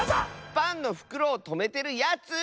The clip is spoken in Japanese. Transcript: パンのふくろをとめてるやつ！